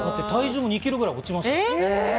体重も２キロくらい落ちました。